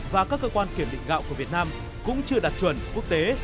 và các cơ quan kiểm định gạo của việt nam cũng chưa đạt chuẩn quốc tế